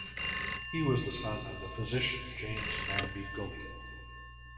He was the son of the physician James Manby Gully.